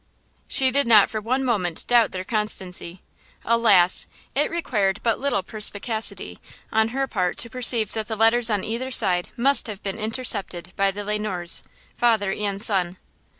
She did not for one moment doubt their constancy. Alas! it required but little perspicacity on her part to perceive that the letters on either side must have been intercepted by the Le Noirs–father and son.